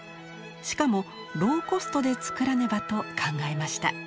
しかもローコストでつくらねばと考えました。